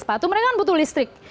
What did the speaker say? sepatu mereka kan butuh listrik